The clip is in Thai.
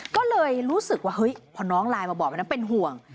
ก็เลยรู้สึกว่าเฮ้ยพอน้องไลน์มาบอกแบบนั้นเป็นห่วง